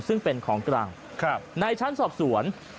ซึ่งเป็นของกลางในชั้นสอบสวน